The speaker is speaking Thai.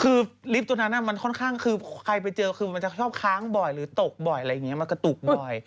คือลิฟต์ตัวนั้นมันค่อนข้างคือใครไปเจอคือมันจะชอบค้างบ่อยหรือตกบ่อยอะไรอย่างนี้มันกระตุกบ่อย